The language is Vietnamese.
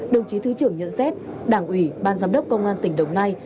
đồng chí thứ trưởng nhận xét đảng ủy ban giám đốc công an tỉnh đồng nai